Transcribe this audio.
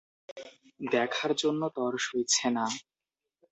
দেখার জন্য তর সইছে না।